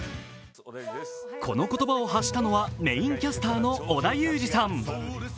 この言葉を発したのはメインキャスターの織田裕二さん。